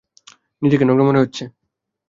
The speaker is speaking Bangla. নিজেকে নগ্ন মনে হচ্ছে।